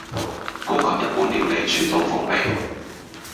高級日本料理傳統風味